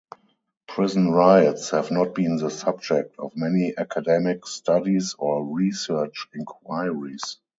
Prison riots have not been the subject of many academic studies or research inquiries.